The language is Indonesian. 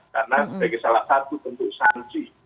karena sebagai salah satu tentu sanci